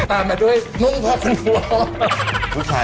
ตามมาด้วยนุ่มผ้าคุณหนู